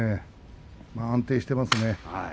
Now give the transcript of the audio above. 安定していますね。